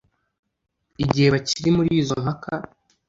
igihe bakiri muli izo mpaka